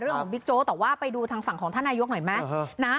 ของบิ๊กโจ๊กแต่ว่าไปดูทางฝั่งของท่านนายกหน่อยไหมนะ